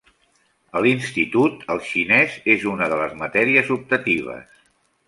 A l'institut, el xinès és una de les matèries optatives.